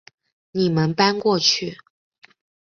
你们搬过去